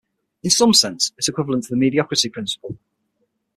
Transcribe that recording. In some sense, it is equivalent to the mediocrity principle.